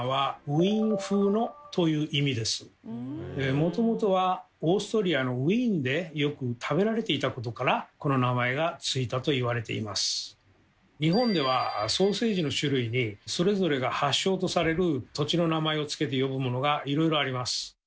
もともとは日本ではソーセージの種類にそれぞれが発祥とされる土地の名前をつけて呼ぶものがいろいろあります。